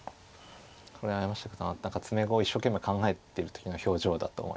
これは山下九段は何か詰碁を一生懸命考えてる時の表情だと思います。